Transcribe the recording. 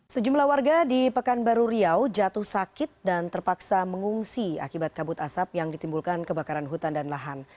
sejumlah warga di pekanbaru riau jatuh sakit dan terpaksa mengungsi akibat kabut asap yang ditimbulkan kebakaran hutan dan lahan